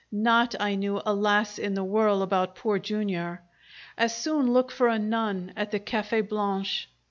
Not, I knew, alas! in the whirl about Poor Jr.! As soon look for a nun at the Cafe' Blanche!